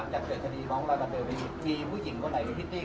หลังจากเจอทฤษฎีน้องรักษาเดินไปมีผู้หญิงคนไหนหรือฮิตตี้คนไหน